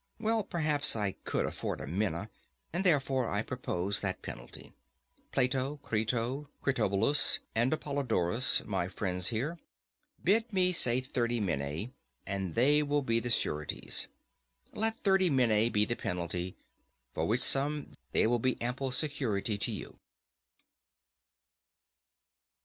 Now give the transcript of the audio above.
Well, perhaps I could afford a mina, and therefore I propose that penalty: Plato, Crito, Critobulus, and Apollodorus, my friends here, bid me say thirty minæ, and they will be the sureties. Let thirty minæ be the penalty; for which sum they will be ample security to you.